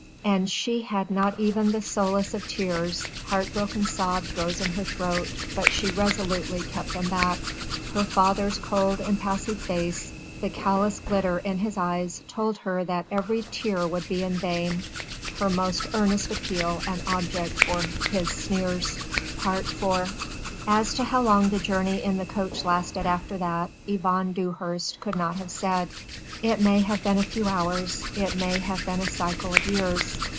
And she had not even the solace of tears heart broken sobs rose in her throat, but she resolutely kept them back. Her father's cold, impassive face, the callous glitter in his eyes told her that every tear would be in vain, her most earnest appeal an object for his sneers. IV As to how long the journey in the coach lasted after that Yvonne Dewhurst could not have said. It may have been a few hours, it may have been a cycle of years.